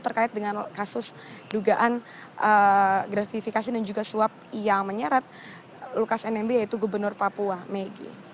terkait dengan kasus dugaan gratifikasi dan juga suap yang menyeret lukas nmb yaitu gubernur papua megi